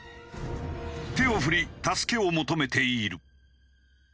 手を振り助けを求めている。